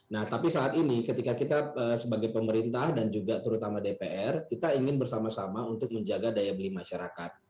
nah tapi saat ini ketika kita sebagai pemerintah dan juga terutama dpr kita ingin bersama sama untuk menjaga daya beli masyarakat